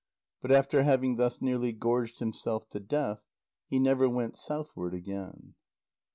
But after having thus nearly gorged himself to death, he never went southward again.